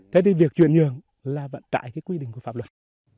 thế thì việc chuyển nhượng là trái quy định của pháp luật